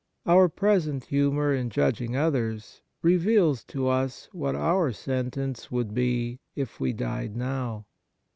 Our present humour in judging others reveals to us what our sentence would be if we died now.